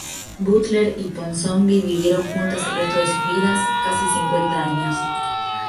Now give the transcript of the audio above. Butler y Ponsonby vivieron juntas el resto de sus vidas, casi cincuenta años.